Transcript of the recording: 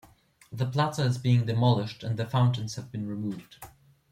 The plaza is being demolished and the fountains have been removed.